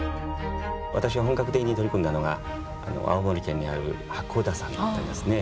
私が本格的に取り組んだのが青森県にある八甲田山だったんですね。